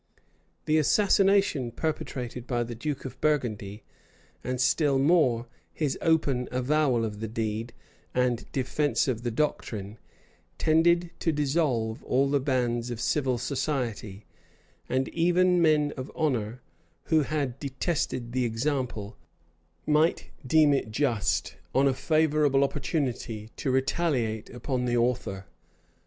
The assassination perpetrated by the duke of Burgundy, and still more his open avowal of the deed, and defence of the doctrine, tended to dissolve all the bands of civil society; and even men of honor, who detested the example, might deem it just, on a favorable opportunity, to retaliate upon the author.